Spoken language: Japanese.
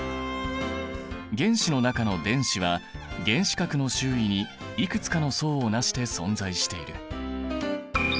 原子の中の電子は原子核の周囲にいくつかの層をなして存在している。